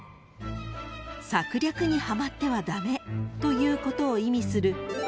［策略にはまっては駄目ということを意味する］